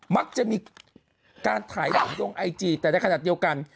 มักจะมีการถ่ายรูปลงไอจีแต่ในขณะเดียวกัน